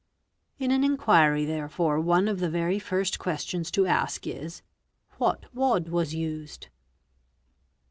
In an inquiry therefore one of the very first questions: to ask is—'' What wad was used